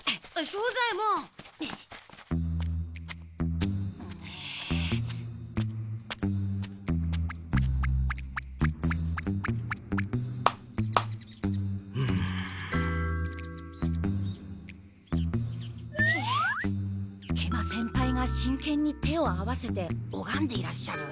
食満先輩が真けんに手を合わせておがんでいらっしゃる。